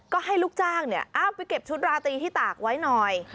ก็ให้ลูกจ้างไปเก็บชุดราตรีที่ตากไว้หน่อย